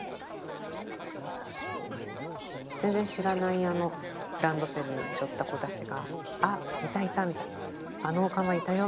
全然知らないランドセルしょった子たちが「あっいたいた」みたいな「あのオカマいたよ」